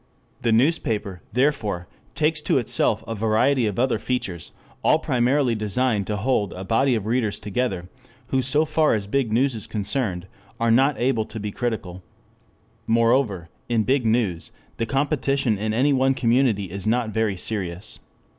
The newspaper, therefore, takes to itself a variety of other features, all primarily designed to hold a body of readers together, who so far as big news is concerned, are not able to be critical. Moreover, in big news the competition in any one community is not very serious.